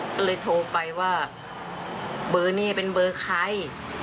ก็เลยโทรไปว่าเบอร์นี้เป็นเบอร์ใคร